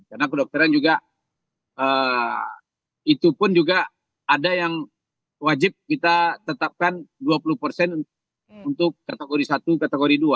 karena kedokteran juga itu pun juga ada yang wajib kita tetapkan dua puluh untuk kategori satu kategori dua